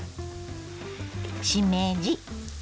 しめじ